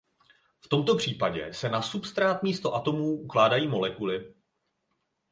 V tomto případě se na substrát místo atomů ukládají molekuly.